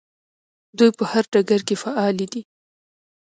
دوی په هر ډګر کې فعالې دي.